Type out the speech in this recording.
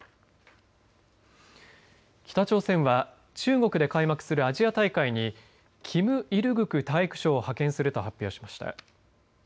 北朝鮮は中国で開幕するアジア大会にキム・イルグク体育相を派遣すると発表しました。